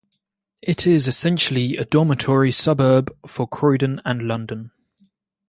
It is essentially a dormitory suburb for Croydon and London.